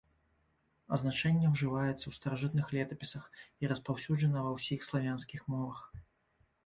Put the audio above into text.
Азначэнне ўжываецца ў старажытных летапісах і распаўсюджана ва ўсіх славянскіх мовах.